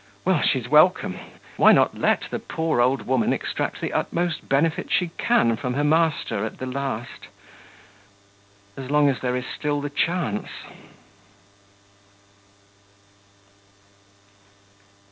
Well! she's welcome! Why not let the poor old woman extract the utmost benefit she can from her master at the last ... as long as there is still the chance?